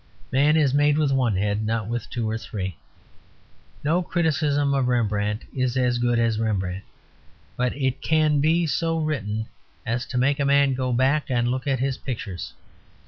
Man is made with one head, not with two or three. No criticism of Rembrandt is as good as Rembrandt; but it can be so written as to make a man go back and look at his pictures.